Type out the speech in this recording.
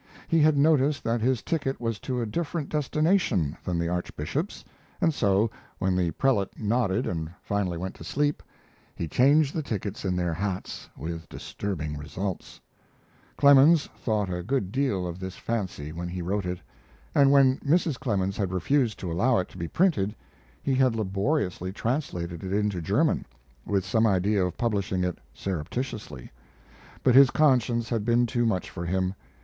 He had noticed that his ticket was to a different destination than the Archbishop's, and so, when the prelate nodded and finally went to sleep, he changed the tickets in their hats with disturbing results. Clemens thought a good deal of this fancy when he wrote it, and when Mrs. Clemens had refused to allow it to be printed he had laboriously translated it into German, with some idea of publishing it surreptitiously; but his conscience had been too much for him.